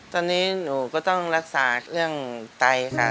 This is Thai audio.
ตอนนี้หนูก็ต้องรักษาเรื่องไตค่ะ